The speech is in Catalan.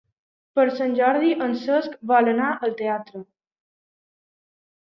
Per Sant Jordi en Cesc vol anar al teatre.